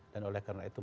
dan oleh karena itu